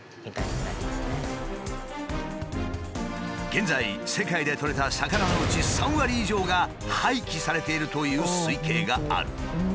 現在世界でとれた魚のうち３割以上が廃棄されているという推計がある。